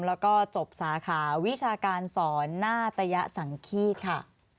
และจบสาขาวิชาการสอนหน้าตระยะสังขีดค่ะ